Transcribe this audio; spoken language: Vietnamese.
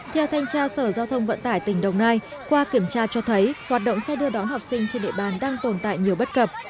theo thanh tra sở giao thông vận tải tỉnh đồng nai qua kiểm tra cho thấy hoạt động xe đưa đón học sinh trên địa bàn đang tồn tại nhiều bất cập